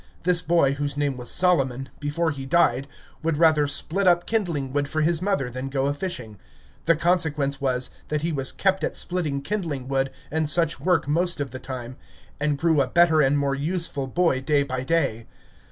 This boy, whose name was Solomon, before he died, would rather split up kindling wood for his mother than go a fishing, the consequence was, that he was kept at splitting kindling wood and such work most of the time, and grew a better and more useful boy day by day.